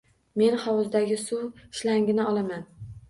Men hovuzdagi suv shlangini olaman.